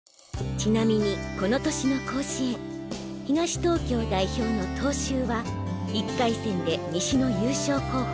ちなみにこの年の甲子園東東京代表の東秀は１回戦で西の優勝候補